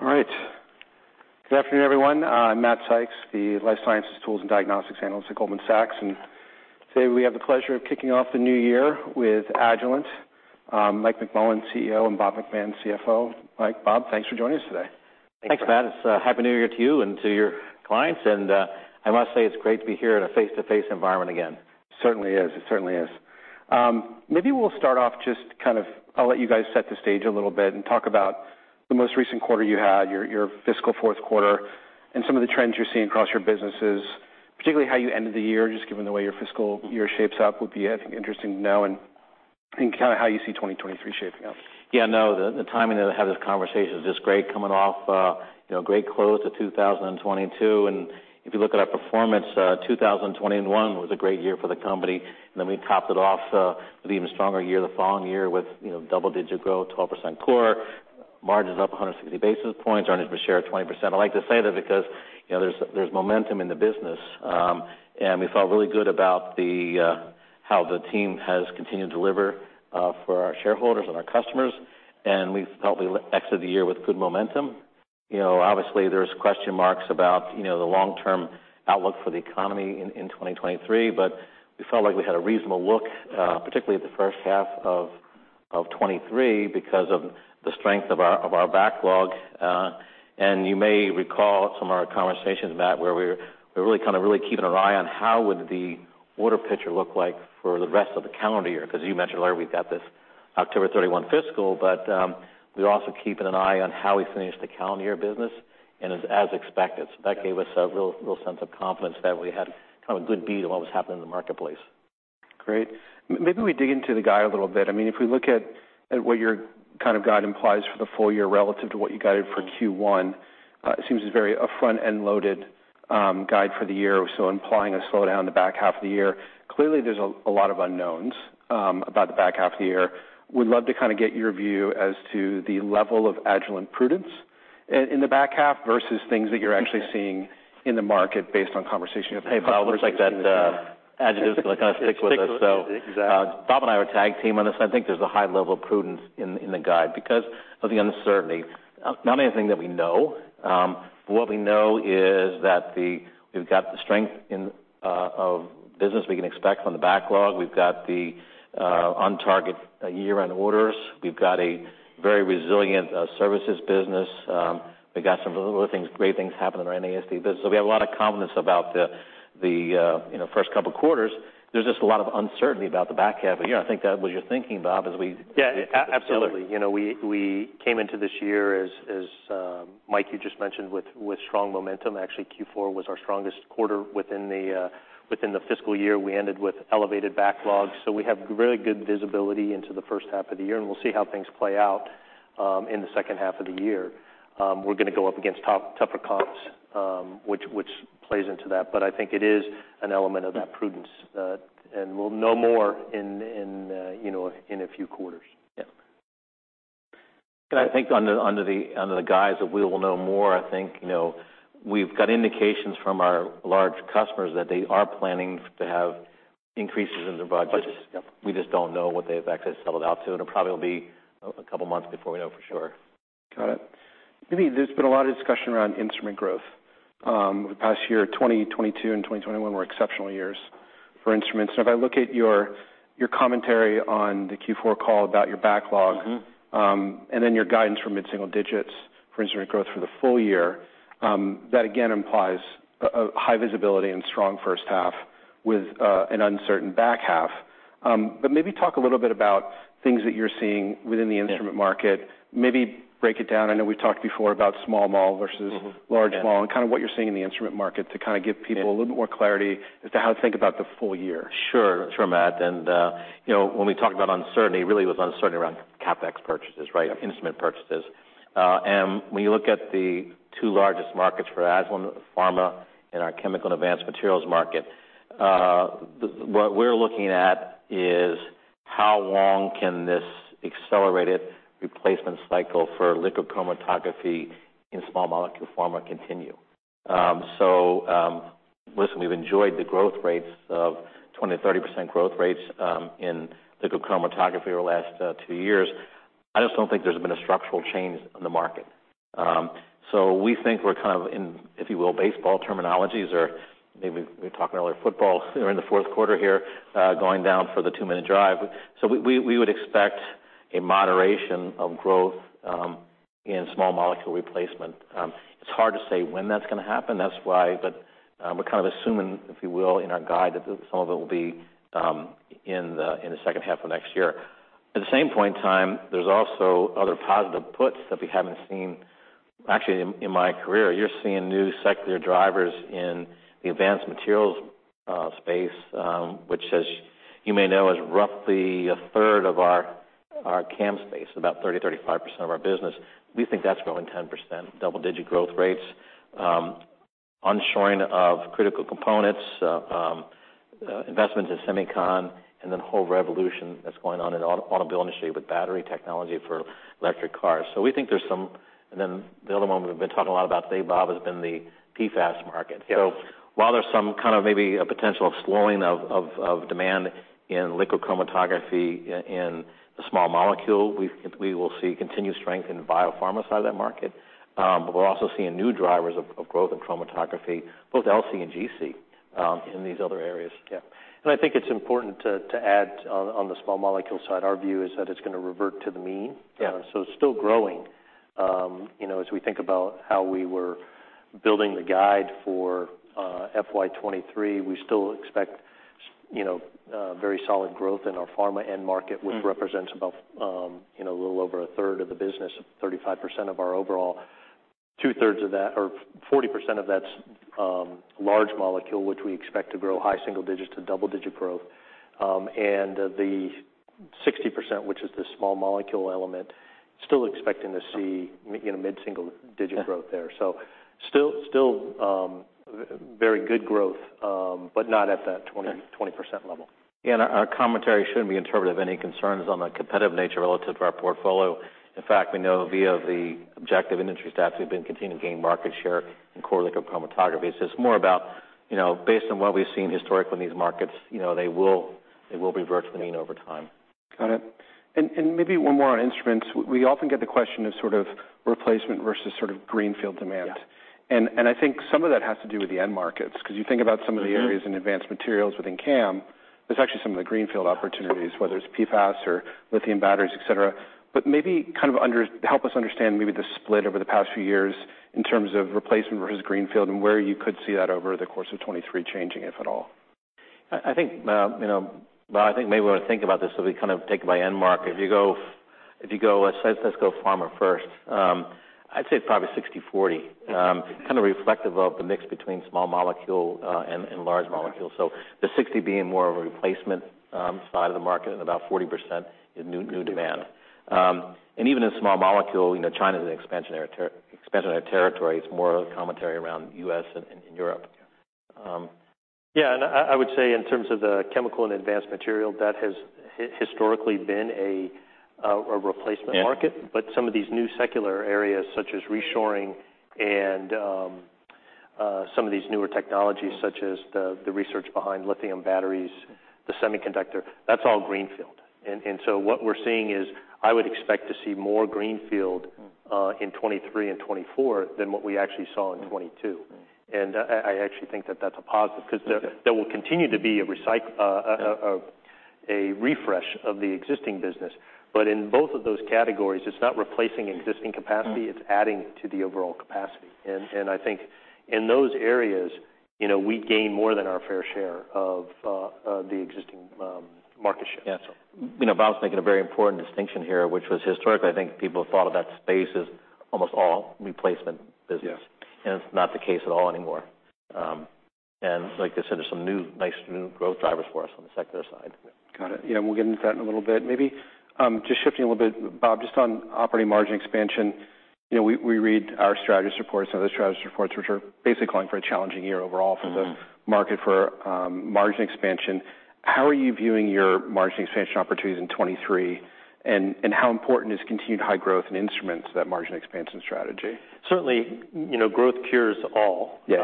All right. Good afternoon, everyone. I'm Matt Sykes, the life sciences tools and diagnostics analyst at Goldman Sachs. Today, we have the pleasure of kicking off the new year with Agilent. Mike McMullen, CEO, and Bob McMahon, CFO. Mike, Bob, thanks for joining us today. Thanks, Matt. It's happy New Year to you and to your clients. I must say it's great to be here in a face-to-face environment again. Certainly is. It certainly is. Maybe we'll start off just kind of I'll let you guys set the stage a little bit and talk about the most recent quarter you had, your fiscal fourth quarter, and some of the trends you're seeing across your businesses, particularly how you ended the year, just given the way your fiscal year shapes up, would be, I think, interesting to know and kind of how you see 2023 shaping up. Yeah, no, the timing to have this conversation is just great coming off, you know, great close to 2022. If you look at our performance, 2021 was a great year for the company. We topped it off with even stronger year the following year with, you know, double digit growth, 12% core, margins up 160 basis points, earnings per share of 20%. I like to say that because, you know, there's momentum in the business, and we felt really good about how the team has continued to deliver for our shareholders and our customers, and we felt we exited the year with good momentum. You know, obviously, there's question marks about, you know, the long-term outlook for the economy in 2023, we felt like we had a reasonable look, particularly at the first half of 2023 because of the strength of our backlog. You may recall some of our conversations, Matt, where we're really kind of really keeping our eye on how would the order picture look like for the rest of the calendar year, because you mentioned earlier, we've got this October 31 fiscal, but we're also keeping an eye on how we finish the calendar year business. It's as expected. That gave us a real sense of confidence that we had kind of a good beat of what was happening in the marketplace. Great. Maybe we dig into the guide a little bit. I mean, if we look at what your kind of guide implies for the full year relative to what you guided for Q1, it seems it's very a front-end loaded guide for the year, so implying a slowdown in the back half of the year. Clearly, there's a lot of unknowns about the back half of the year. We'd love to kind of get your view as to the level of Agilent prudence in the back half versus things that you're actually seeing in the market based on conversation with. Hey, it looks like that adjective is gonna stick with us. Exactly. Bob and I will tag team on this. I think there's a high level of prudence in the guide because of the uncertainty. Not anything that we know. What we know is that we've got the strength in of business we can expect from the backlog. We've got the on target year-end orders. We've got a very resilient services business. We've got some other things, great things happening in our NASD business. We have a lot of confidence about the you know, first couple quarters. There's just a lot of uncertainty about the back half of the year. I think that what you're thinking, Bob. Yeah. Absolutely. You know, we came into this year as Mike, you just mentioned, with strong momentum. Actually, Q4 was our strongest quarter within the fiscal year. We ended with elevated backlogs. We have really good visibility into the first half of the year, and we'll see how things play out in the second half of the year. We're gonna go up against tougher comps, which plays into that. I think it is an element of that prudence. And we'll know more in, you know, in a few quarters. Yeah. I think under the guise of we will know more, I think, you know, we've got indications from our large customers that they are planning to have increases in their budgets. Budgets, yep. We just don't know what they've actually settled out to, and it probably will be a couple of months before we know for sure. Got it. Maybe there's been a lot of discussion around instrument growth over the past year. 2022 and 2021 were exceptional years for instruments. If I look at your commentary on the Q4 call about your backlog. Mm-hmm Your guidance for mid-single digits for instrument growth for the full year, that again implies a high visibility and strong first half with an uncertain back half. Maybe talk a little bit about things that you're seeing within the instrument market. Yeah. Maybe break it down. I know we've talked before about small mol versus large molecule, and kind of what you're seeing in the instrument market to kind of give people a little bit more clarity as to how to think about the full year. Sure. Sure, Matt. You know, when we talk about uncertainty, really it was uncertainty around CapEx purchases, right? Instrument purchases. When you look at the two largest markets for Agilent, pharma and our chemical advanced materials market, what we're looking at is how long can this accelerated replacement cycle for liquid chromatography in small molecule pharma continue? Listen, we've enjoyed the growth rates of 20%-30% growth rates in liquid chromatography over the last two years. I just don't think there's been a structural change in the market. We think we're kind of in, if you will, baseball terminologies, or maybe we're talking earlier, football. We're in the fourth quarter here, going down for the two-minute drive. We would expect a moderation of growth in small molecule replacement. It's hard to say when that's going to happen. We're kind of assuming, if you will, in our guide that some of it will be in the second half of next year. At the same point in time, there's also other positive puts that we haven't seen, actually, in my career. You're seeing new secular drivers in the advanced materials space, which, as you may know, is roughly a third of our CAM space, about 30%-35% of our business. We think that's growing 10%, double-digit growth rates. Onshoring of critical components, investment in semicon, and the whole revolution that's going on in auto build industry with battery technology for electric cars. Then the other one we've been talking a lot about today, Bob, has been the PFAS market. Yes. While there's some kind of maybe a potential slowing of demand in liquid chromatography in the small molecule, we will see continued strength in the biopharma side of that market. But we're also seeing new drivers of growth in chromatography, both LC and GC, in these other areas. Yeah. I think it's important to add on the small molecule side, our view is that it's gonna revert to the mean. Yeah. It's still growing. You know, as we think about how we were building the guide for, FY 2023, we still expect, you know, very solid growth in our pharma end market. Mm. which represents about, you know, a little over a third of the business, 35% of our overall. Two-thirds of that or 40% of that's large molecule, which we expect to grow high single digits to double digit growth. The 60%, which is the small molecule element, still expecting to see, you know, mid-single digit growth there. Still very good growth, but not at that 20% level. Yeah. Our commentary shouldn't be interpreted of any concerns on the competitive nature relative to our portfolio. In fact, we know via the objective industry stats, we've been continuing to gain market share in core liquid chromatography. It's more about, you know, based on what we've seen historically in these markets, you know, they will revert to the mean over time. Got it. Maybe one more on instruments. We often get the question of sort of replacement versus sort of greenfield demand. Yeah. I think some of that has to do with the end markets, 'cause you think about some of the areas in advanced materials within CAM, there's actually some of the greenfield opportunities, whether it's PFAS or lithium batteries, et cetera. Maybe kind of help us understand maybe the split over the past few years in terms of replacement versus greenfield and where you could see that over the course of 2023 changing, if at all. I think maybe when we think about this, so we kind of take it by end market. If you go, let's go pharma first, I'd say probably 60/40. kind of reflective of the mix between small molecule and large molecule. The 60 being more of a replacement side of the market and about 40% in new demand. Even in small molecule, you know, China's an expansionary territory. It's more a commentary around US and Europe. Yeah. I would say in terms of the chemical and advanced material, that has historically been a replacement market. Yeah. Some of these new secular areas such as reshoring and some of these newer technologies such as the research behind lithium batteries, the semiconductor, that's all greenfield. What we're seeing is I would expect to see more greenfield in 2023 and 2024 than what we actually saw in 2022. I actually think that that's a positive because there will continue to be a refresh of the existing business. In both of those categories, it's not replacing existing capacity. Mm. It's adding to the overall capacity. I think in those areas, you know, we gain more than our fair share of the existing market share. Yeah. You know, Bob's making a very important distinction here, which was historically, I think people have thought of that space as almost all replacement business. Yes. It's not the case at all anymore. Like I said, there's some new, nice new growth drivers for us on the secular side. Got it. Yeah, we'll get into that in a little bit maybe. Just shifting a little bit, Bob, just on operating margin expansion. You know, we read our strategist reports and other strategist reports, which are basically calling for a challenging year overall for the market for, margin expansion. How are you viewing your margin expansion opportunities in 2023, and how important is continued high growth in instruments to that margin expansion strategy? Certainly, you know, growth cures all. Yeah.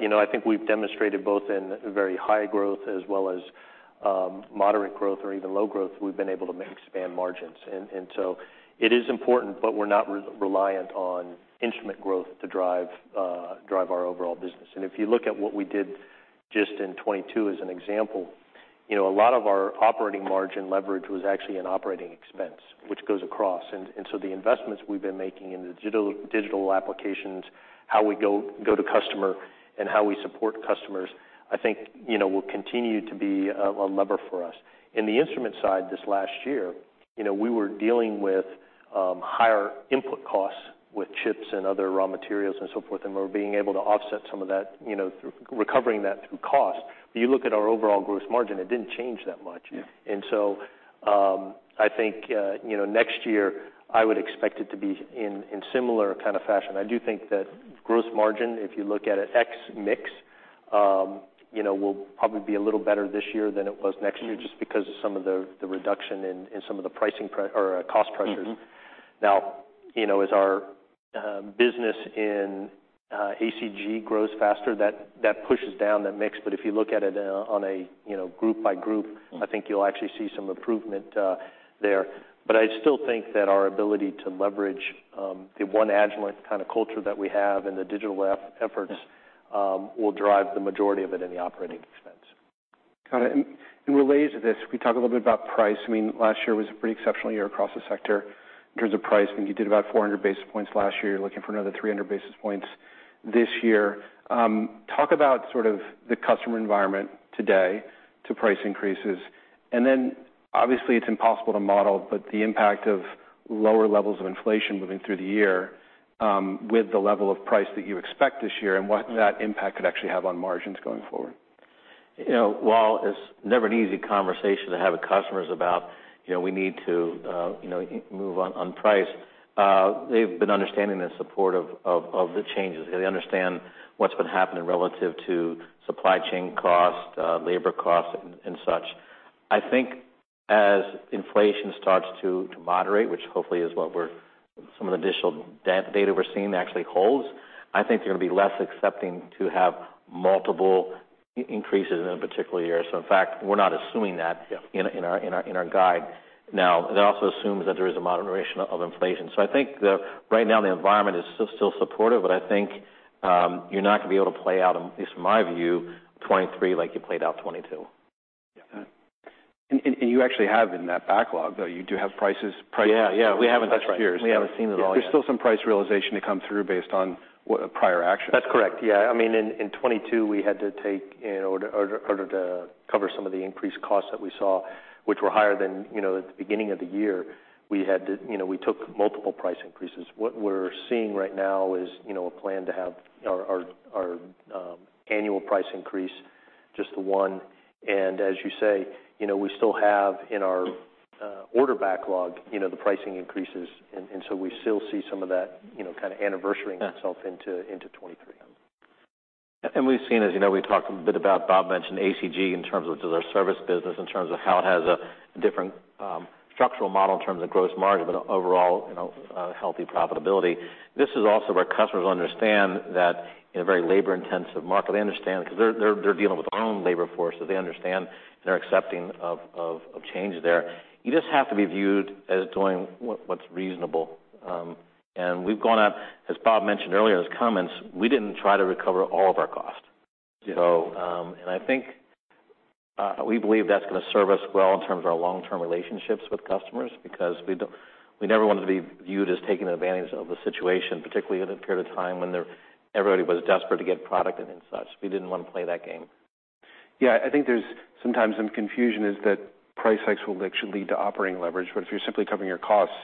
You know, I think we've demonstrated both in very high growth as well as moderate growth or even low growth, we've been able to expand margins. It is important, but we're not reliant on instrument growth to drive our overall business. If you look at what we did just in 2022 as an example, you know, a lot of our operating margin leverage was actually in operating expense, which goes across. The investments we've been making in the digital applications, how we go to customer and how we support customers, I think, you know, will continue to be a lever for us. In the instrument side this last year, you know, we were dealing with higher input costs with chips and other raw materials and so forth, and we're being able to offset some of that, you know, through recovering that through cost. You look at our overall gross margin, it didn't change that much. Yeah. I think, you know, next year I would expect it to be in similar kind of fashion. I do think that gross margin, if you look at it ex mix, you know, will probably be a little better this year than it was next year just because of some of the reduction in some of the pricing or cost pressures. Mm-hmm. You know, as our business in ACG grows faster, that pushes down that mix. If you look at it, on a, you know, group by group. I think you'll actually see some improvement, there. I still think that our ability to leverage the One Agilent kind of culture that we have and the digital efforts will drive the majority of it in the operating expense. Got it. In relays to this, can we talk a little bit about price? I mean, last year was a pretty exceptional year across the sector in terms of price. I mean, you did about 400 basis points last year. You're looking for another 300 basis points this year. talk about sort of the customer environment today to price increases, and then obviously it's impossible to model, but the impact of lower levels of inflation moving through the year, with the level of price that you expect this year and what that impact could actually have on margins going forward. You know, while it's never an easy conversation to have with customers about, you know, we need to, you know, move on price, they've been understanding and supportive of the changes. They understand what's been happening relative to supply chain costs, labor costs and such. I think as inflation starts to moderate, which hopefully is what some of the additional data we're seeing actually holds, I think they're gonna be less accepting to have multiple increases in a particular year. In fact, we're not assuming that. Yeah. In our guide. Now, that also assumes that there is a moderation of inflation. I think the right now the environment is still supportive, but I think you're not gonna be able to play out, at least from my view, 2023 like you played out 2022. Yeah. You actually have in that backlog, though, you do have prices. Yeah, yeah. -for the next few years. That's right. We haven't seen it all yet. There's still some price realization to come through based on prior actions. That's correct. Yeah. I mean, in 2022, we had to take in order to cover some of the increased costs that we saw, which were higher than, you know, at the beginning of the year, You know, we took multiple price increases. What we're seeing right now is, you know, a plan to have our annual price increase just the one. As you say, you know, we still have in our order backlog, you know, the pricing increases. So we still see some of that, you know, kind of anniversary-ing itself into 2023. Yeah. We've seen, as you know, we talked a bit about, Bob mentioned ACG in terms of their service business, in terms of how it has a different structural model in terms of gross margin, but overall, you know, healthy profitability. This is also where customers understand that in a very labor-intensive market, they understand, 'cause they're dealing with their own labor force, so they understand and are accepting of change there. You just have to be viewed as doing what's reasonable. We've gone out, as Bob mentioned earlier in his comments, we didn't try to recover all of our costs. You know, I think, we believe that's gonna serve us well in terms of our long-term relationships with customers, because we never wanted to be viewed as taking advantage of the situation, particularly in a period of time when everybody was desperate to get product and such. We didn't wanna play that game. Yeah. I think there's sometimes some confusion is that price hikes will actually lead to operating leverage. If you're simply covering your costs,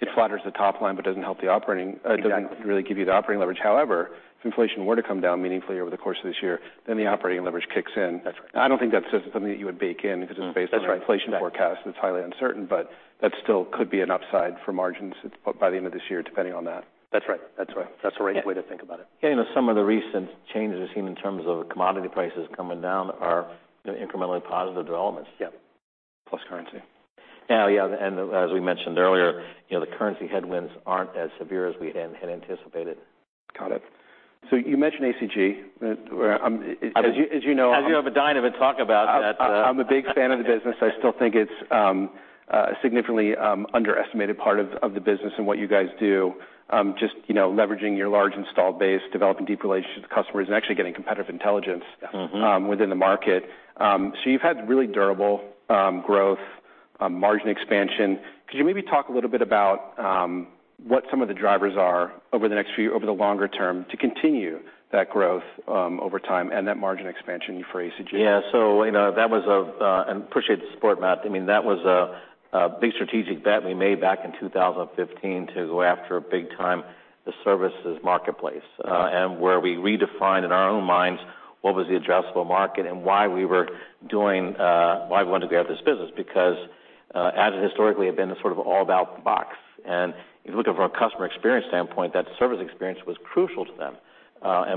it flatters the top line, but doesn't help the operating- Exactly. doesn't really give you the operating leverage. However, if inflation were to come down meaningfully over the course of this year, then the operating leverage kicks in. That's right. I don't think that's something that you would bake in because it's based on- That's right. -inflation forecast, it's highly uncertain, but that still could be an upside for margins by the end of this year, depending on that. That's right. That's right. That's the right way to think about it. Yeah, you know, some of the recent changes we've seen in terms of commodity prices coming down are incrementally positive developments. Yeah. Plus currency. Now, yeah, as we mentioned earlier, you know, the currency headwinds aren't as severe as we had anticipated. Got it. You mentioned ACG. As you know- you have a dynamic talk about that. I'm a big fan of the business. I still think it's significantly underestimated part of the business and what you guys do, just, you know, leveraging your large installed base, developing deep relationships with customers, and actually getting competitive intelligence- Mm-hmm. within the market. You've had really durable growth, margin expansion. Could you maybe talk a little bit about what some of the drivers are over the longer term to continue that growth over time and that margin expansion for ACG? Yeah. You know, that was a. I appreciate the support, Matt. I mean, that was a big strategic bet we made back in 2015 to go after, big time, the services marketplace, and where we redefined in our own minds what was the addressable market and why we were doing, why we wanted to get out this business, because, as it historically had been a sort of all about the box. If you look it from a customer experience standpoint, that service experience was crucial to them.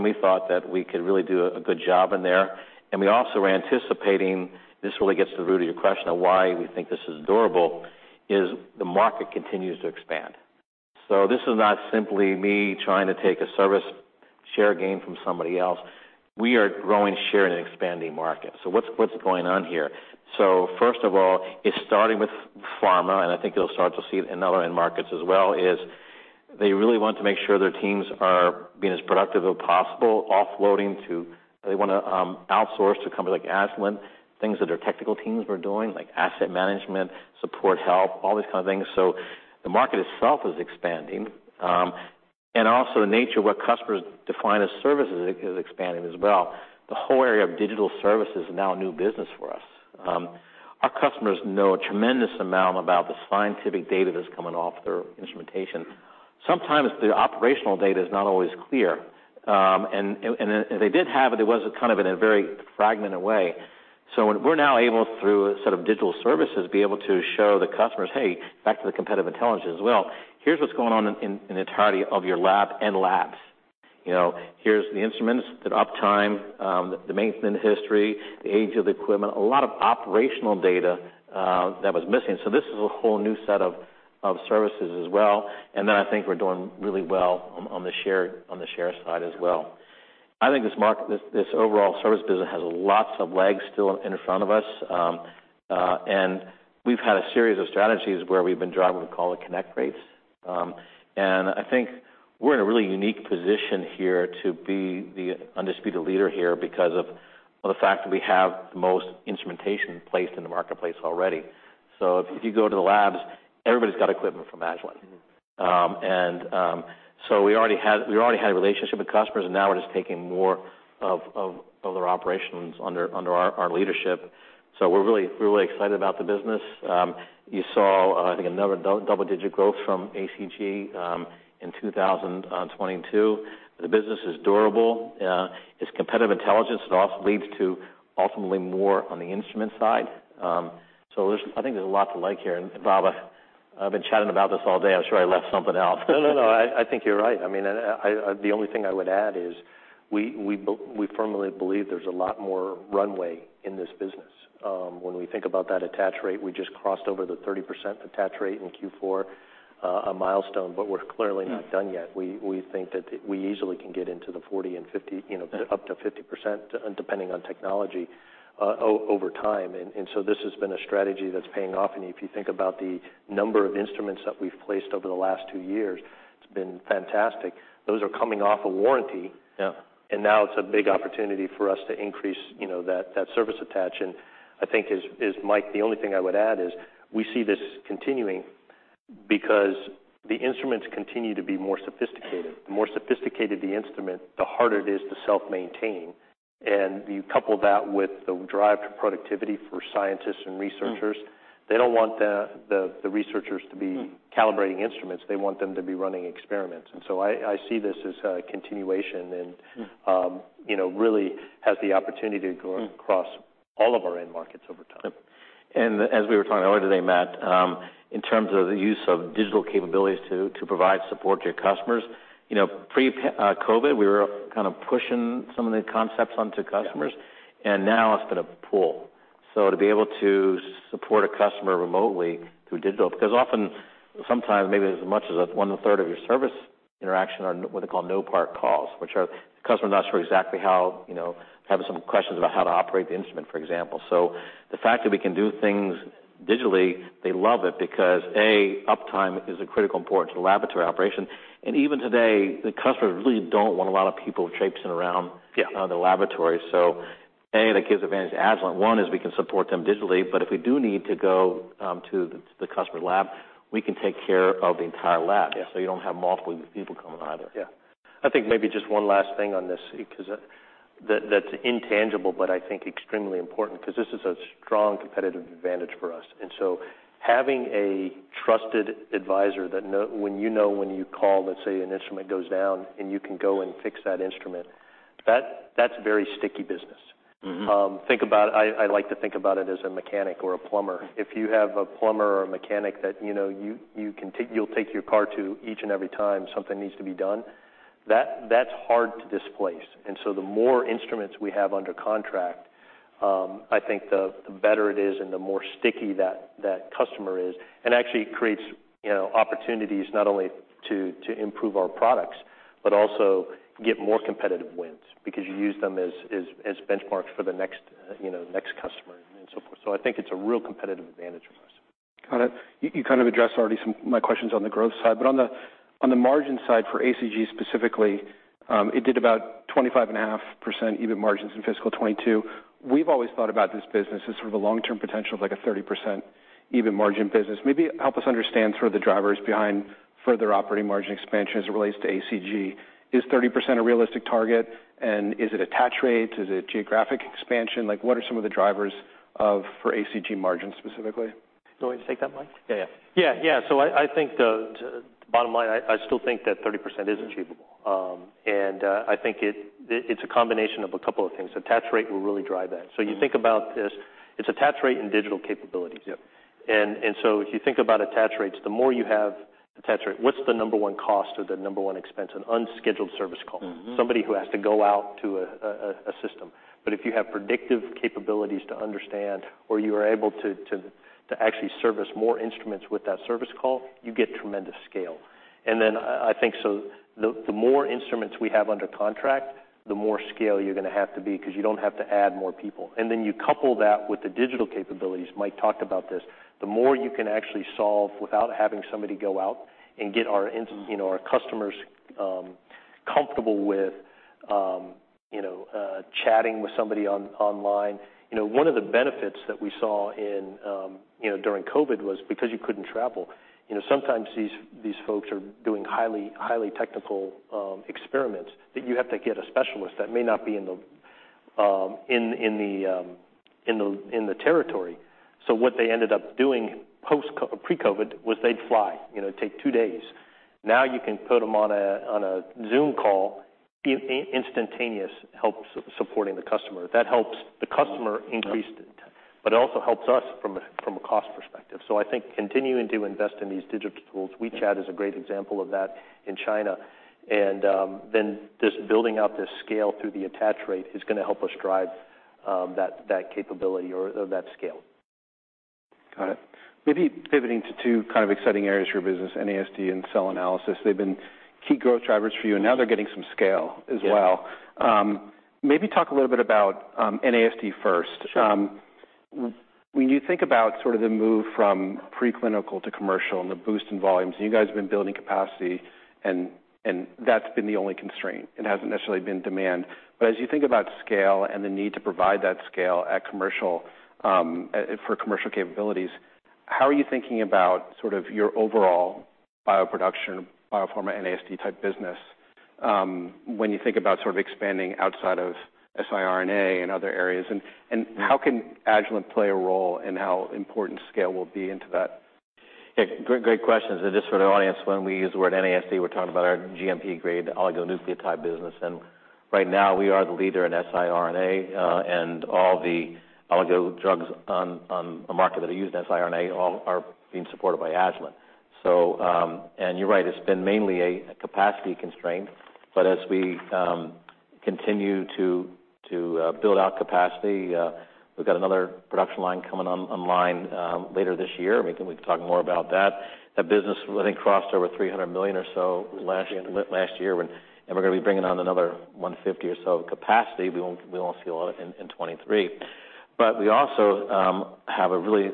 We thought that we could really do a good job in there. We also were anticipating, this really gets to the root of your question of why we think this is durable, is the market continues to expand. This is not simply me trying to take a service share gain from somebody else. We are growing share in an expanding market. What's going on here? First of all, it's starting with pharma, and I think you'll start to see it in other end markets as well, is they really want to make sure their teams are being as productive as possible, offloading to they wanna outsource to a company like Agilent, things that their technical teams were doing, like asset management, support help, all these kind of things. The market itself is expanding. And also the nature of what customers define as services is expanding as well. The whole area of digital services is now a new business for us. Our customers know a tremendous amount about the scientific data that's coming off their instrumentation. Sometimes the operational data is not always clear. If they did have it was kind of in a very fragmented way. What we're now able, through sort of digital services, be able to show the customers, hey, back to the competitive intelligence as well, here's what's going on in entirety of your lab and labs. You know, here's the instruments, the uptime, the maintenance history, the age of the equipment, a lot of operational data that was missing. This is a whole new set of services as well. Then I think we're doing really well on the share side as well. I think this market, this overall service business has lots of legs still in front of us. We've had a series of strategies where we've been driving, we call it connect rates. I think we're in a really unique position here to be the undisputed leader here because of, well, the fact that we have the most instrumentation placed in the marketplace already. If you go to the labs, everybody's got equipment from Agilent. We already had a relationship with customers, and now we're just taking more of their operations under our leadership. We're really excited about the business. You saw, I think another double-digit growth from ACG in 2022. The business is durable. It's competitive intelligence. It also leads to ultimately more on the instrument side. I think there's a lot to like here. Bob, I've been chatting about this all day. I'm sure I left something out. No, no. I think you're right. I mean, and I the only thing I would add is we firmly believe there's a lot more runway in this business. When we think about that attach rate, we just crossed over the 30% attach rate in Q4, a milestone, but we're clearly not done yet. We think that we easily can get into the 40 and 50, you know, up to 50% depending on technology, over time. So this has been a strategy that's paying off. If you think about the number of instruments that we've placed over the last two years, it's been fantastic. Those are coming off of warranty. Yeah. Now it's a big opportunity for us to increase, you know, that service attach. I think is, Mike, the only thing I would add is we see this continuing because the instruments continue to be more sophisticated. The more sophisticated the instrument, the harder it is to self-maintain. You couple that with the drive to productivity for scientists and researchers. They don't want the researchers to be calibrating instruments. They want them to be running experiments. I see this as a continuation and, you know, really has the opportunity to go across all of our end markets over time. Yep. As we were talking earlier today, Matt, in terms of the use of digital capabilities to provide support to your customers, you know, pre-COVID, we were kind of pushing some of the concepts onto customers. Yeah. Now it's been a pull. To be able to support a customer remotely through digital, because often, sometimes maybe as much as one-third of your service interaction are what they call no part calls, which are the customer not sure exactly how, you know, have some questions about how to operate the instrument, for example. The fact that we can do things digitally, they love it because, A, uptime is a critical importance to laboratory operations. Even today, the customers really don't want a lot of people traipsing around the laboratory. A, that gives advantage to Agilent. One is we can support them digitally, but if we do need to go, to the customer lab, we can take care of the entire lab. Yeah. You don't have multiple people coming either. Yeah. I think maybe just one last thing on this because that's intangible, but I think extremely important because this is a strong competitive advantage for us. Having a trusted advisor that know when you call, let's say, an instrument goes down, and you can go and fix that instrument, that's very sticky business. Mm-hmm. I like to think about it as a mechanic or a plumber. If you have a plumber or a mechanic that you know you'll take your car to each and every time something needs to be done, that's hard to displace. The more instruments we have under contract, I think the better it is and the more sticky that customer is, and actually creates, you know, opportunities not only to improve our products, but also get more competitive wins because you use them as benchmarks for the next, you know, next customer and so forth. I think it's a real competitive advantage for us. Got it. You kind of addressed already some my questions on the growth side, but on the margin side for ACG specifically, it did about 25.5% EBIT margins in fiscal 2022. We've always thought about this business as sort of a long-term potential of, like, a 30% EBIT margin business. Maybe help us understand sort of the drivers behind further operating margin expansion as it relates to ACG. Is 30% a realistic target? Is it attach rate? Is it geographic expansion? Like, what are some of the drivers for ACG margin specifically? You want me to take that, Mike? Yeah, yeah. Yeah. I think the bottom line, I still think that 30% is achievable. I think it's a combination of a couple of things. Attach rate will really drive that. You think about this. It's attach rate and digital capabilities. Yeah. If you think about attach rates, the more you have attach rate, what's the number one cost or the number one expense? An unscheduled service call. Mm-hmm. Somebody who has to go out to a system. If you have predictive capabilities to understand or you are able to actually service more instruments with that service call, you get tremendous scale. I think so the more instruments we have under contract, the more scale you're gonna have to be because you don't have to add more people. You couple that with the digital capabilities. Mike talked about this. The more you can actually solve without having somebody go out and get our you know, our customers comfortable with, you know, chatting with somebody online. You know, one of the benefits that we saw in, you know, during COVID was because you couldn't travel, you know, sometimes these folks are doing highly technical experiments that you have to get a specialist that may not be in the territory. What they ended up doing pre-COVID was they'd fly, you know, take two days. Now you can put them on a Zoom call, instantaneous help supporting the customer. That helps the customer increase, but it also helps us from a cost perspective. I think continuing to invest in these digital tools, WeChat is a great example of that in China. Just building out this scale through the attach rate is gonna help us drive that capability or that scale. Got it. Maybe pivoting to two kind of exciting areas for your business, NASD and cell analysis. They've been key growth drivers for you, and now they're getting some scale as well. Yeah. Maybe talk a little bit about NASD first. Sure. When you think about sort of the move from preclinical to commercial and the boost in volumes, and you guys have been building capacity, and that's been the only constraint. It hasn't necessarily been demand. As you think about scale and the need to provide that scale at commercial, for commercial capabilities, how are you thinking about sort of your overall bioproduction, biopharma NASD type business, when you think about sort of expanding outside of siRNA and other areas? How can Agilent play a role in how important scale will be into that? Yeah. Great, great questions. Just for the audience, when we use the word NASD, we're talking about our GMP grade oligonucleotide business. Right now, we are the leader in siRNA, and all the oligo drugs on the market that are used in siRNA all are being supported by Agilent. You're right. It's been mainly a capacity constraint. As we continue to build out capacity, we've got another production line coming online later this year. Maybe we can talk more about that. That business I think crossed over $300 million or so last year, and we're gonna be bringing on another $150 or so of capacity. We won't see a lot in 2023. We also have a really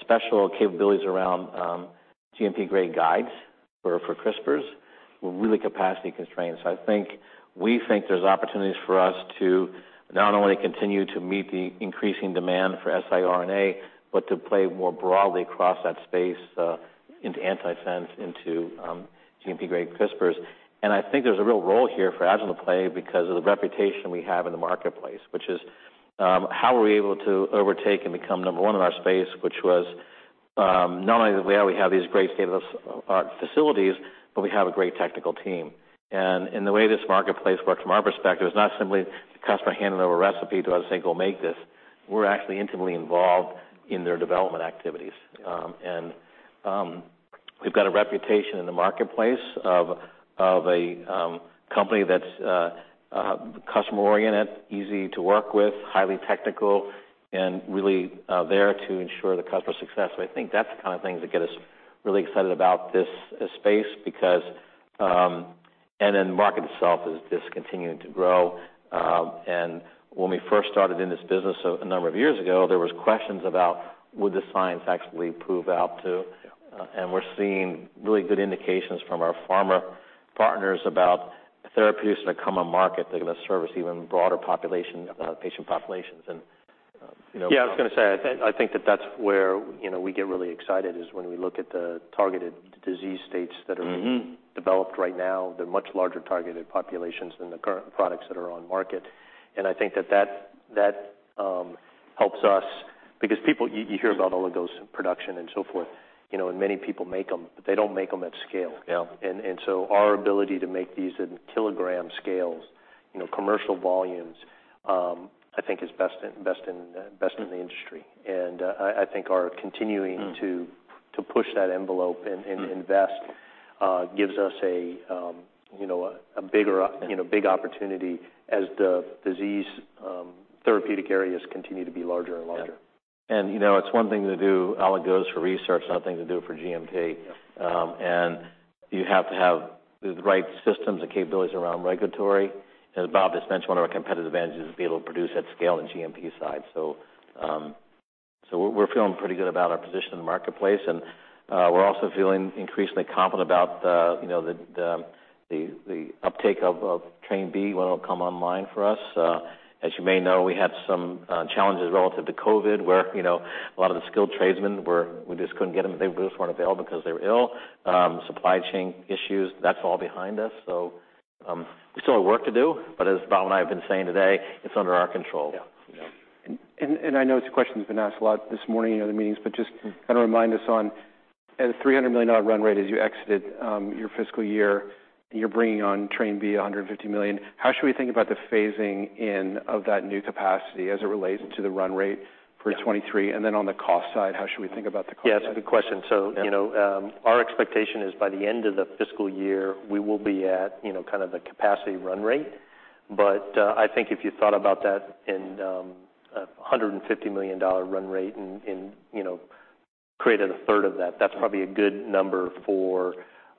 special capabilities around GMP-grade guides for CRISPRs. We're really capacity constrained. We think there's opportunities for us to not only continue to meet the increasing demand for siRNA, but to play more broadly across that space, into antisense, into GMP-grade CRISPRs. I think there's a real role here for Agilent play because of the reputation we have in the marketplace, which is, how are we able to overtake and become number one in our space, which was, not only that we have these great state-of-the-art facilities, but we have a great technical team. The way this marketplace works from our perspective is not simply the customer handing over a recipe to us and saying, "Go make this." We're actually intimately involved in their development activities. And, we've got a reputation in the marketplace of a company that's customer-oriented, easy to work with, highly technical and really there to ensure the customer success. I think that's the kind of things that get us really excited about this space because The market itself is just continuing to grow. When we first started in this business a number of years ago, there was questions about would the science actually prove out to. Yeah. We're seeing really good indications from our pharma partners about therapies that come on market that are gonna service even broader population, patient populations. You know. Yeah, I was gonna say, I think that that's where, you know, we get really excited, is when we look at the targeted disease states. Mm-hmm developed right now, they're much larger targeted populations than the current products that are on market. I think that helps us because people you hear about oligos production and so forth, you know, and many people make them, but they don't make them at scale. Yeah. Our ability to make these in kilogram scales, you know, commercial volumes, I think is best in the industry. And I think our continuing to push that envelope and invest, gives us a, you know, a bigger. Yeah. You know, big opportunity as the disease, therapeutic areas continue to be larger and larger. And you know, it's one thing to do oligos for research, another thing to do it for GMP. Yeah. You have to have the right systems and capabilities around regulatory. As Bob just mentioned, one of our competitive advantages is being able to produce at scale in the GMP side. We're feeling pretty good about our position in the marketplace. We're also feeling increasingly confident about the, you know, the uptake of Train B when it'll come online for us. As you may know, we had some challenges relative to COVID where, you know, a lot of the skilled tradesmen were, we just couldn't get them. They just weren't available because they were ill. Supply chain issues, that's all behind us. We still have work to do, but as Bob and I have been saying today, it's under our control. Yeah. Yeah. I know this question's been asked a lot this morning in other meetings, but just kinda remind us on, at a $300 million run rate as you exited, your fiscal year, and you're bringing on Train B at $150 million, how should we think about the phasing in of that new capacity as it relates to the run rate for FY 2023? Yeah. On the cost side, how should we think about the cost side? Yeah, that's a good question. Yeah. You know, our expectation is by the end of the fiscal year, we will be at, you know, kind of the capacity run rate. I think if you thought about that in a $150 million run rate and, you know, created a third of that's probably a good number for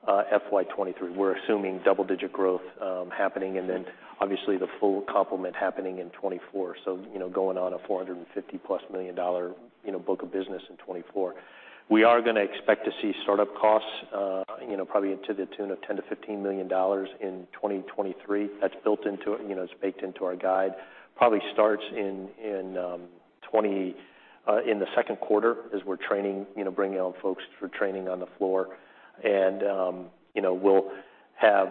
FY 2023. We're assuming double-digit growth happening, and then obviously the full complement happening in 2024. Going on a $450-plus million, you know, book of business in 2024. We are gonna expect to see startup costs, you know, probably to the tune of $10 million-$15 million in 2023. That's built into it, you know, it's baked into our guide. Probably starts in the second quarter as we're training, you know, bringing on folks for training on the floor. You know, we'll have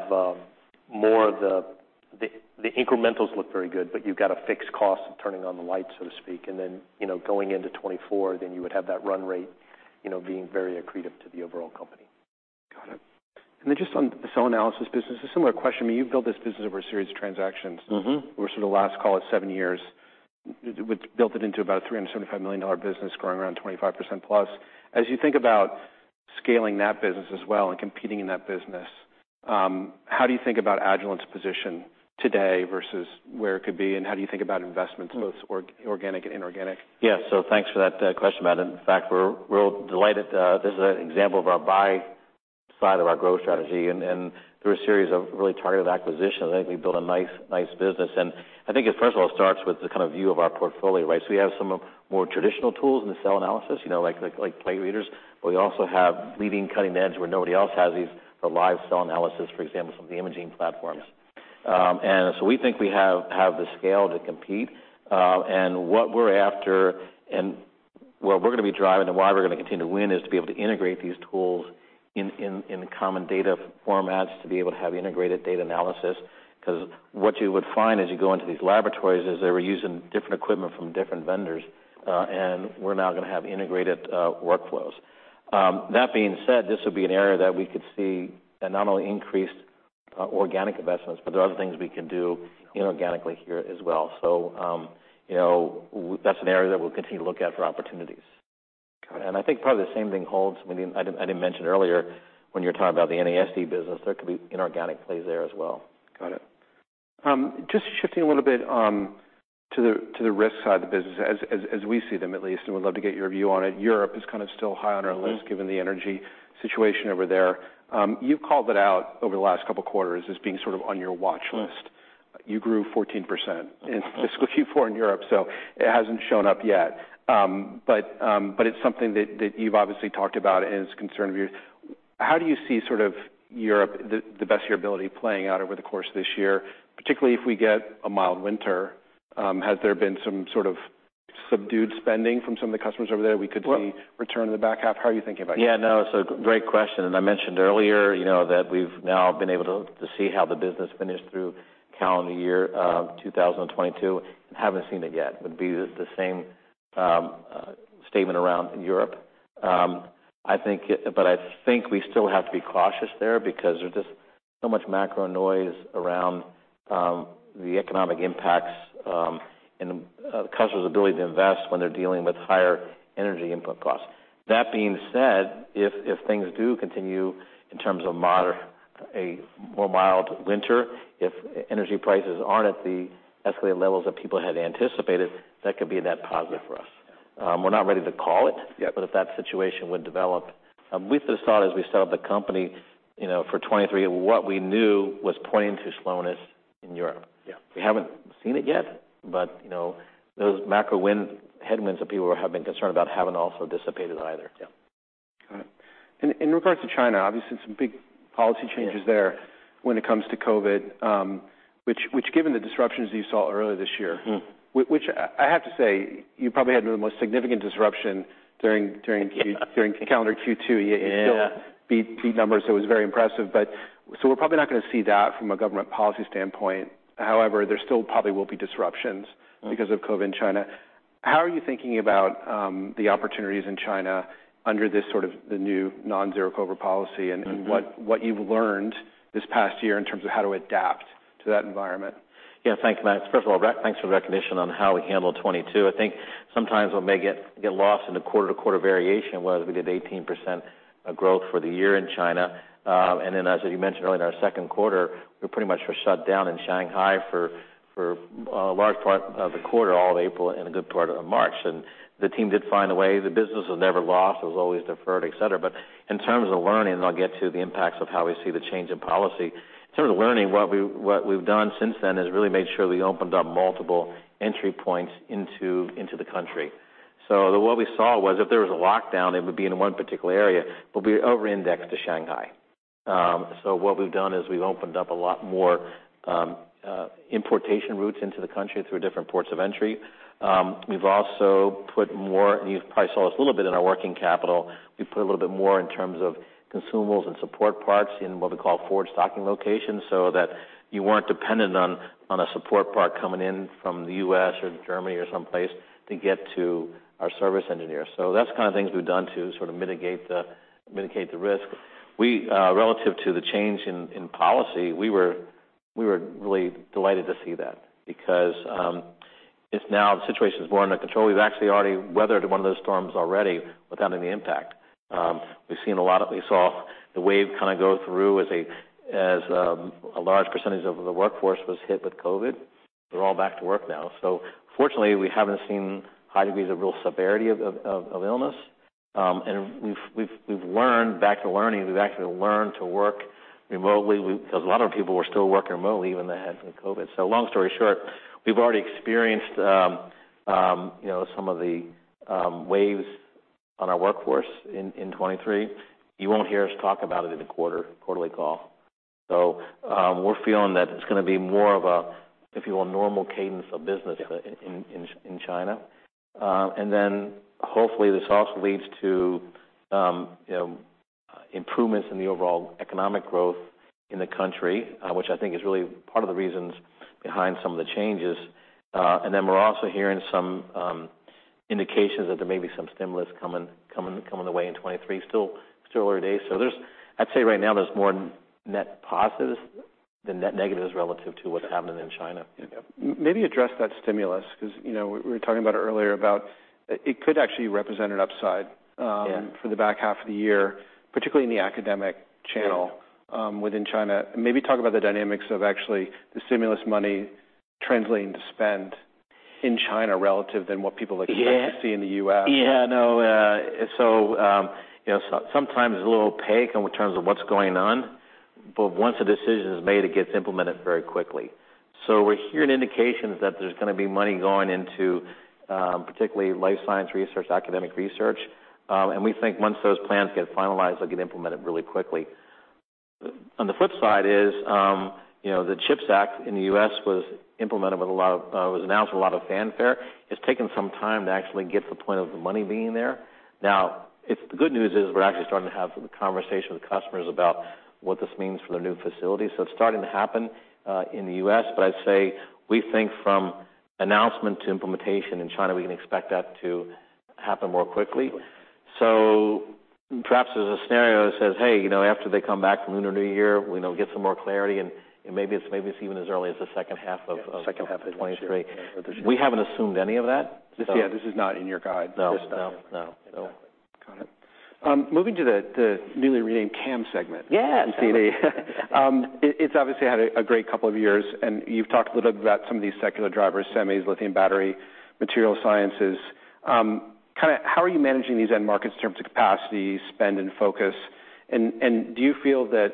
The incrementals look very good, but you've got a fixed cost of turning on the lights, so to speak. You know, going into 2024, then you would have that run rate, you know, being very accretive to the overall company. Got it. Just on the cell analysis business, a similar question. I mean, you've built this business over a series of transactions. Mm-hmm. Over sort of the last, call it seven years, which built it into about a $375 million business growing around 25% plus. As you think about scaling that business as well and competing in that business, how do you think about Agilent's position today versus where it could be? How do you think about investments both organic and inorganic? Thanks for that question, Matt. In fact, we're real delighted. This is an example of our buy side of our growth strategy. Through a series of really targeted acquisitions, I think we built a nice business. I think it, first of all, starts with the kind of view of our portfolio, right? We have some of more traditional tools in the cell analysis, you know, like plate readers, but we also have leading cutting edge where nobody else has these, the live cell analysis, for example, some of the imaging platforms. Yeah. We think we have the scale to compete. What we're after and where we're gonna be driving and why we're gonna continue to win is to be able to integrate these tools in common data formats, to be able to have integrated data analysis. 'Cause what you would find as you go into these laboratories is they were using different equipment from different vendors. We're now gonna have integrated workflows. That being said, this would be an area that we could see not only increased organic investments, but there are other things we can do inorganically here as well. You know, that's an area that we'll continue to look at for opportunities. I think probably the same thing holds. I mean, I didn't mention earlier when you were talking about the NASD business, there could be inorganic plays there as well. Got it. Just shifting a little bit to the risk side of the business as we see them at least, and we'd love to get your view on it. Europe is kind of still high on our list given the energy situation over there. You've called it out over the last couple of quarters as being sort of on your watch list. Right. You grew 14% in fiscal Q4 in Europe, it hasn't shown up yet. It's something that you've obviously talked about and is a concern of yours. How do you see sort of Europe, the best of your ability, playing out over the course of this year, particularly if we get a mild winter? Has there been some sort of subdued spending from some of the customers over there we could see return in the back half? How are you thinking about it? Yeah, no, so great question. I mentioned earlier, you know, that we've now been able to see how the business finished through calendar year 2022, and haven't seen it yet. Would be the same statement around Europe. I think we still have to be cautious there because there's just so much macro noise around the economic impacts and the customer's ability to invest when they're dealing with higher energy input costs. That being said, if things do continue in terms of a more mild winter, if energy prices aren't at the escalated levels that people had anticipated, that could be a net positive for us. We're not ready to call it. Yeah But if that situation would develop, we sort of started as we set up the company, you know, for 2023, what we knew was pointing to slowness in Europe. Yeah. We haven't seen it yet, but, you know, those macro headwinds that people have been concerned about haven't also dissipated either. Yeah. Got it. In regards to China, obviously some big policy changes there. Yeah When it comes to COVID, which given the disruptions you saw earlier this year. Mm-hmm Which I have to say, you probably had one of the most significant disruption during Q. Yeah. During calendar Q2. Yeah. You still beat numbers, so it was very impressive. We're probably not gonna see that from a government policy standpoint. However, there still probably will be disruptions because of COVID in China. How are you thinking about the opportunities in China under this sort of the new non-zero COVID policy? Mm-hmm What you've learned this past year in terms of how to adapt to that environment? Thanks, Max. First of all, re-thanks for the recognition on how we handled 2022. I think sometimes what may get lost in the quarter-to-quarter variation, was we did 18% growth for the year in China. As you mentioned earlier, in our second quarter, we pretty much were shut down in Shanghai for a large part of the quarter, all of April and a good part of March. The team did find a way. The business was never lost. It was always deferred, et cetera. In terms of learning, and I'll get to the impacts of how we see the change in policy. In terms of learning, what we've done since then is really made sure we opened up multiple entry points into the country. What we saw was if there was a lockdown, it would be in one particular area. We'll be over-indexed to Shanghai. What we've done is we've opened up a lot more importation routes into the country through different ports of entry. We've also put more, and you've probably saw this a little bit in our working capital, we've put a little bit more in terms of consumables and support parts in what we call forward stocking locations, so that you weren't dependent on a support part coming in from the U.S. or Germany or someplace to get to our service engineers. That's the kind of things we've done to sort of mitigate the risk. We relative to the change in policy, we were really delighted to see that because if now the situation is more under control, we've actually already weathered one of those storms already without any impact. We saw the wave kind of go through as a large percentage of the workforce was hit with COVID. They're all back to work now. Fortunately, we haven't seen high degrees of real severity of illness. And we've learned, back to learning, we've actually learned to work remotely. Because a lot of people were still working remotely even ahead from COVID. Long story short, we've already experienced, you know, some of the waves on our workforce in 2023. You won't hear us talk about it in a quarter, quarterly call. We're feeling that it's gonna be more of a, if you will, normal cadence of business in China. Hopefully this also leads to, you know, improvements in the overall economic growth in the country, which I think is really part of the reasons behind some of the changes. We're also hearing some indications that there may be some stimulus coming the way in 2023. Still early days. I'd say right now there's more net positives than net negatives relative to what's happening in China. Yeah. maybe address that stimulus, 'cause, you know, we were talking about it earlier about it could actually represent an upside. Yeah for the back half of the year, particularly in the academic channel within China. Maybe talk about the dynamics of actually the stimulus money translating to spend in China relative than what people expect to see in the U.S. I know. You know, sometimes it's a little opaque in terms of what's going on, but once a decision is made, it gets implemented very quickly. We're hearing indications that there's gonna be money going into, particularly life science research, academic research. We think once those plans get finalized, they'll get implemented really quickly. On the flip side is, you know, the CHIPS Act in the U.S. was implemented with a lot of, was announced with a lot of fanfare. It's taken some time to actually get to the point of the money being there. The good news is we're actually starting to have conversations with customers about what this means for their new facilities, so it's starting to happen, in the U.S. I'd say we think from announcement to implementation in China, we can expect that to happen more quickly. Yeah. Perhaps there's a scenario that says, "Hey, you know, after they come back from Lunar New Year, we know, get some more clarity, and maybe it's, maybe it's even as early as the second half. Yeah, second half of 2023. We haven't assumed any of that. This, yeah, this is not in your guide. No. Just so you know. No. No. Got it. moving to the newly renamed CAM segment. Yes. It's obviously had a great couple of years, you've talked a little bit about some of these secular drivers, semis, lithium battery, material sciences. Kind of how are you managing these end markets in terms of capacity, spend, and focus? Do you feel that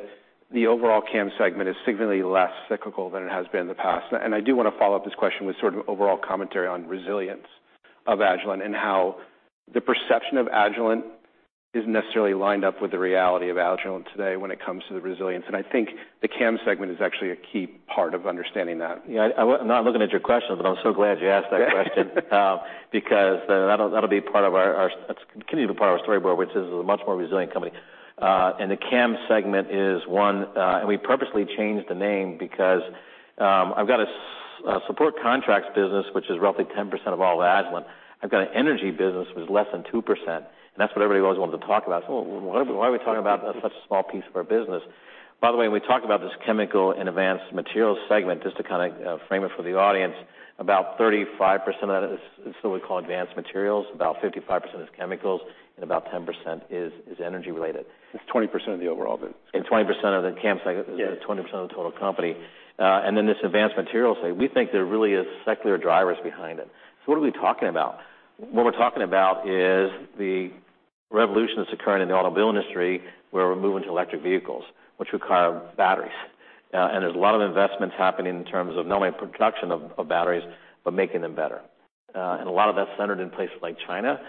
the overall CAM segment is significantly less cyclical than it has been in the past? I do wanna follow up this question with sort of overall commentary on resilience of Agilent and how the perception of Agilent isn't necessarily lined up with the reality of Agilent today when it comes to the resilience. I think the CAM segment is actually a key part of understanding that. Yeah, I'm not looking at your questions, but I'm so glad you asked that question. Because it's going to be the part of our storyboard, which is a much more resilient company. The CAM segment is one. We purposely changed the name because I've got a support contracts business, which is roughly 10% of all Agilent. I've got an energy business which is less than 2%, and that's what everybody always wanted to talk about. Why are we talking about such a small piece of our business? By the way, when we talk about this chemical and advanced materials segment, just to kind of frame it for the audience, about 35% of that is what we call advanced materials, about 55% is chemicals, and about 10% is energy-related. It's 20% of the overall business. 20% of the CAM segment. Yeah. 20% of the total company. Then this advanced materials thing, we think there really is secular drivers behind it. What are we talking about? What we're talking about is the revolution that's occurring in the automobile industry, where we're moving to electric vehicles, which require batteries. And there's a lot of investments happening in terms of not only production of batteries, but making them better. And a lot of that's centered in places like China.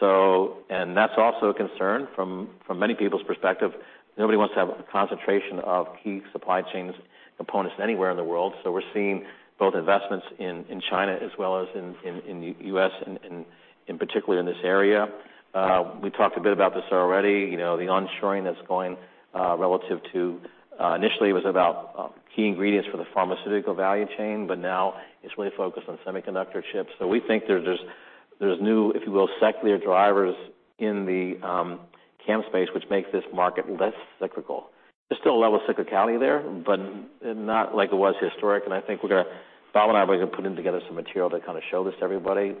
And that's also a concern from many people's perspective. Nobody wants to have a concentration of key supply chains components anywhere in the world. We're seeing both investments in China as well as in the U.S. in particular in this area. We talked a bit about this already, you know, the onshoring that's going relative to initially it was about key ingredients for the pharmaceutical value chain, but now it's really focused on semiconductor chips. We think there's new, if you will, secular drivers in the CAM space, which make this market less cyclical. There's still a level of cyclicality there, but not like it was historic. I think Bob and I are going to put in together some material to kind of show this to everybody.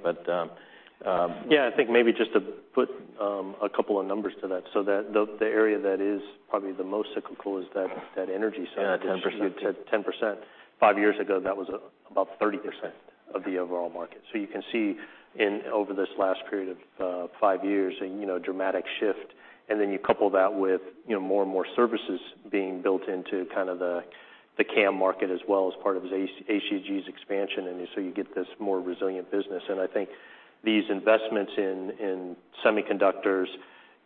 I think maybe just to put a couple of numbers to that, so that the area that is probably the most cyclical is that energy side. Yeah, 10%. You said 10%. Five years ago, that was about 30% of the overall market. You can see over this last period of five years a, you know, dramatic shift, then you couple that with, you know, more and more services being built into kind of the CAM market as well as part of ACG's expansion, you get this more resilient business. I think these investments in semiconductors,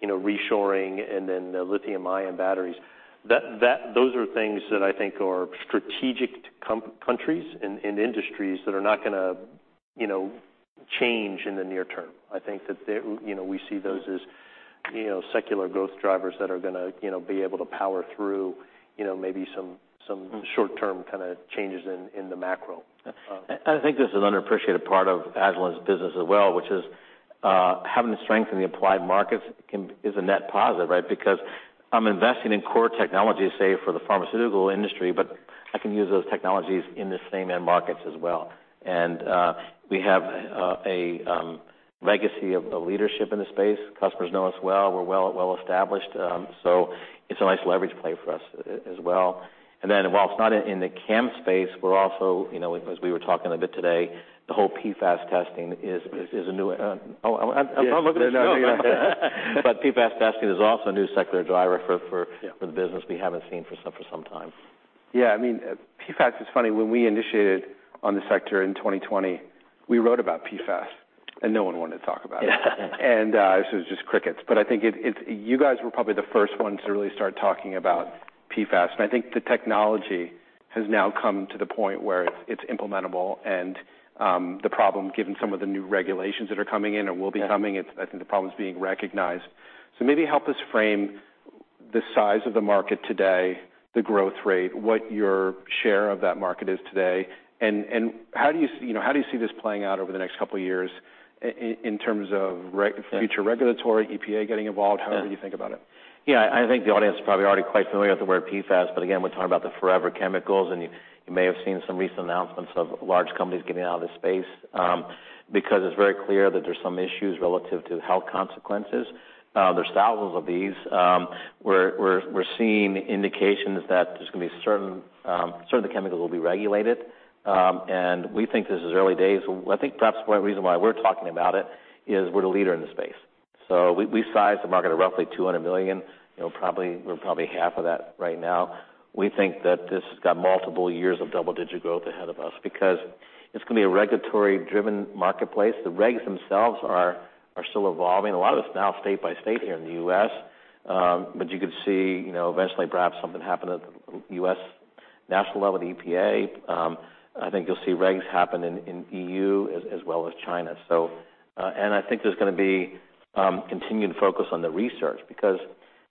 you know, reshoring and then the lithium-ion batteries, those are things that I think are strategic to countries and industries that are not gonna, you know, change in the near term. I think that, you know, we see those as, you know, secular growth drivers that are gonna, you know, be able to power through, you know, maybe some short-term kind of changes in the macro. I think this is an underappreciated part of Agilent's business as well, which is, having the strength in the applied markets is a net positive, right? Because I'm investing in core technologies, say, for the pharmaceutical industry, but I can use those technologies in the same end markets as well. We have a legacy of leadership in the space. Customers know us well. We're well-established. So it's a nice leverage play for us as well. While it's not in the CAM space, we're also, you know, as we were talking a bit today, the whole PFAS testing is a new. Oh, I'm not looking at your notes. PFAS testing is also a new secular driver for the business we haven't seen for some time. Yeah. I mean, PFAS is funny. When we initiated on the sector in 2020, we wrote about PFAS, and no one wanted to talk about it. This was just crickets. I think You guys were probably the first ones to really start talking about PFAS, and I think the technology has now come to the point where it's implementable. The problem, given some of the new regulations that are coming in or will be coming. Yeah I think the problem is being recognized. Maybe help us frame the size of the market today, the growth rate, what your share of that market is today, and you know, how do you see this playing out over the next couple of years in terms of future regulatory, EPA getting involved? Yeah. How would you think about it? Yeah. I think the audience is probably already quite familiar with the word PFAS. Again, we're talking about the forever chemicals. You may have seen some recent announcements of large companies getting out of this space because it's very clear that there's some issues relative to health consequences. There's thousands of these. We're seeing indications that there's gonna be certain certain chemicals will be regulated. We think this is early days. I think perhaps part of the reason why we're talking about it is we're the leader in the space. We size the market at roughly $200 million. You know, we're probably half of that right now. We think that this has got multiple years of double-digit growth ahead of us because it's gonna be a regulatory-driven marketplace. The regs themselves are still evolving. A lot of it's now state by state here in the U.S. You could see, you know, eventually perhaps something happen at the U.S. national level with EPA. I think you'll see regs happen in EU as well as China. And I think there's gonna be continued focus on the research because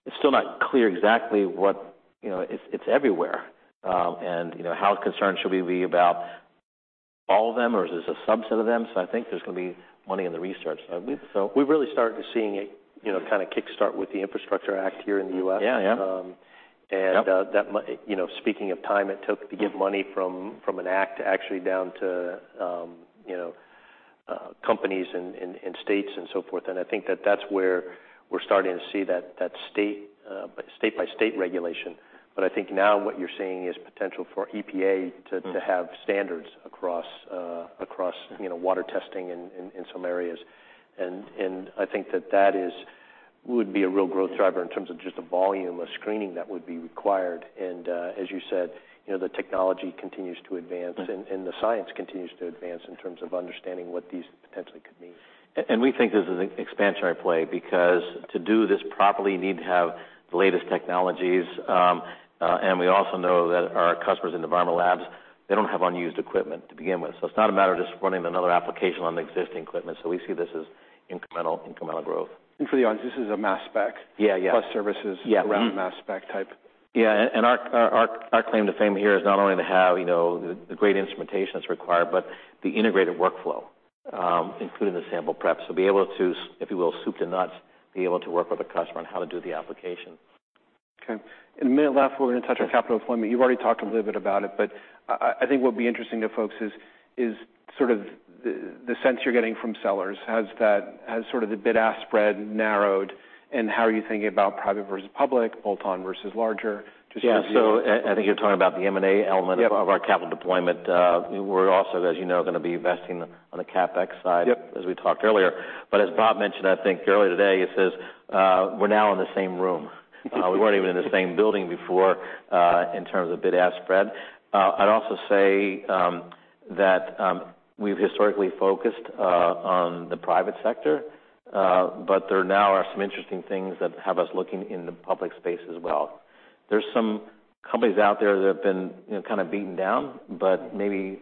it's still not clear exactly what. You know, it's everywhere. And, you know, how concerned should we be about all of them or is this a subset of them? I think there's gonna be money in the research. I believe so. We've really started to seeing it, you know, kind of kickstart with the Infrastructure Act here in the U.S. Yeah, yeah. Um, and, uh- Yep That you know, speaking of time it took to give money from an act actually down to, you know, companies and states and so forth. I think that that's where we're starting to see that state by state regulation. I think now what you're seeing is potential for EPA to have standards across, you know, water testing in some areas. I think that would be a real growth driver in terms of just the volume of screening that would be required. As you said, you know, the technology continues to advance and the science continues to advance in terms of understanding what these potentially could mean. We think this is an expansionary play because to do this properly, you need to have the latest technologies. We also know that our customers in environmental labs, they don't have unused equipment to begin with. It's not a matter of just running another application on the existing equipment. We see this as incremental growth. For the audience, this is a mass spec. Yeah, yeah. plus services. Yeah. Mm-hmm. around mass spec type. Yeah. Our claim to fame here is not only to have, you know, the great instrumentation that's required, but the integrated workflow, including the sample prep. Be able to, if you will, soup to nuts, be able to work with a customer on how to do the application. Okay. In the minute left, we're gonna touch on capital deployment. You've already talked a little bit about it, I think what would be interesting to folks is sort of the sense you're getting from sellers. Has sort of the bid-ask spread narrowed, how are you thinking about private versus public, bolt-on versus larger? Just your view. Yeah. I think you're talking about the M&A element of our capital deployment. We're also, as you know, gonna be investing on the CapEx side Yep as we talked earlier. As Bob mentioned, I think earlier today, it says, we're now in the same room. We weren't even in the same building before, in terms of bid-ask spread. I'd also say that we've historically focused on the private sector, but there now are some interesting things that have us looking in the public space as well. There's some companies out there that have been, you know, kinda beaten down, but maybe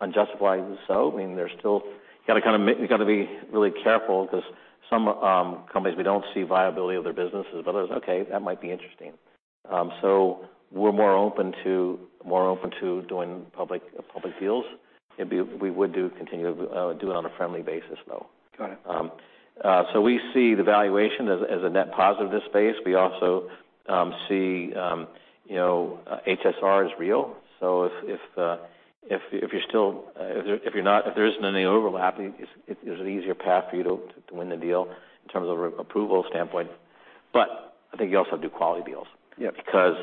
unjustifiably so. I mean, there's still gotta kinda you gotta be really careful 'cause some companies, we don't see viability of their businesses. There's, okay, that might be interesting. We're more open to doing public deals. We would do continue, do it on a friendly basis, though. Got it. We see the valuation as a net positive this space. We also see, you know, HSR is real. If you're still, if there isn't any overlap, it's an easier path for you to win the deal in terms of approval standpoint. I think you also do quality deals. Yep. Because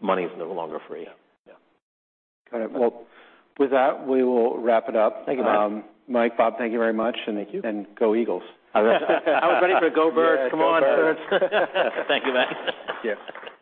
money is no longer free. Yeah. Yeah. All right. Well, with that, we will wrap it up. Thank you, Matt. Mike, Bob, thank you very much. Thank you. Go Eagles. I was ready for go Birds. Yeah, go Birds. Come on, Birds. Thank you, Matt. Yes.